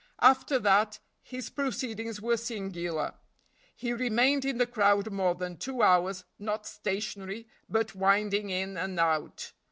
After that his proceedings were singular; he remained in the crowd more than two hours, not stationary, but winding in and out.